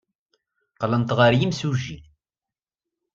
Qqlent ɣer yimsujji.